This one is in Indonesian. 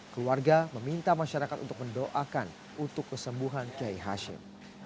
keluarga meminta masyarakat untuk mendoakan untuk kesembuhan kiai hashim